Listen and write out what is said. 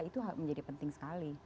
itu menjadi penting sekali